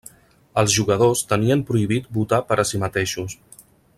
Els jugadors tenien prohibit votar per a si mateixos.